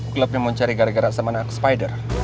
klub yang mau cari gara gara sama anak spider